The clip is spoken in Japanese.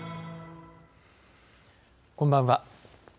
こんばんは。